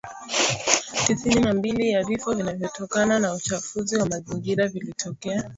tisini na mbili ya vifo vinavyotokana na uchafuzi wa mazingira vilitokea